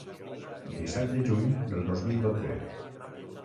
Disset de juny del dos mil dotze.